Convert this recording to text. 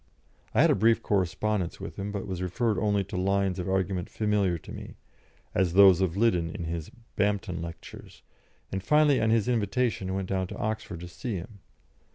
I had a brief correspondence with him, but was referred only to lines of argument familiar to me as those of Liddon in his "Bampton Lectures" and finally, on his invitation, went down to Oxford to see him.